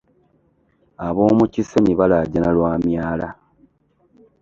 Ab'omu kisenyi balaajana lwa myala.